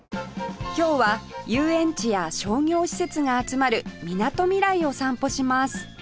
今日は遊園地や商業施設が集まるみなとみらいを散歩します